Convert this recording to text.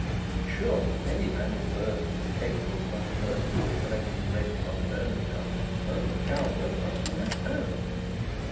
Surely if any man in Bursley were capable of unmercifully collecting rents on his own account, Herbert Calvert must be that man!